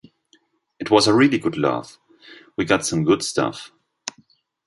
It was a really good laugh; we got some good stuff.